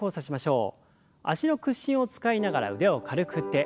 脚の屈伸を使いながら腕を軽く振って。